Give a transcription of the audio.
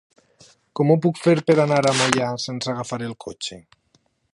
Com ho puc fer per anar a Moià sense agafar el cotxe?